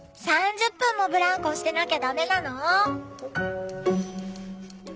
３０分もブランコしてなきゃダメなの？